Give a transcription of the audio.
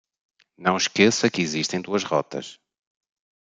Não esqueça que existem duas rotas